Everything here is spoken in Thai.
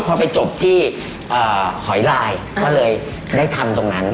พอไปจบที่หอยลายก็เลยได้ทำตรงนั้น